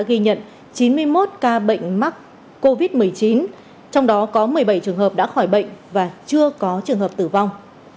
ghi nhận chín mươi một ca bệnh mắc covid một mươi chín trong đó có một mươi bảy trường hợp đã khỏi bệnh và chưa có trường hợp tử vong